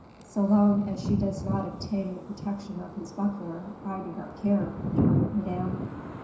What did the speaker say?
"So long as she does not obtain the protection of his buckler I do not care," retorted Madame.